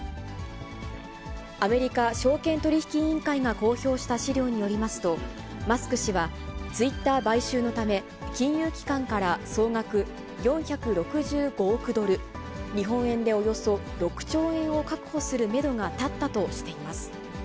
アメリカ証券取引委員会が公表した資料によりますと、マスク氏はツイッター買収のため、金融機関から総額４６５億ドル、日本円でおよそ６兆円を確保するメドが立ったとしています。